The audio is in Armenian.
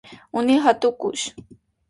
Ունի հատուկ ուժ։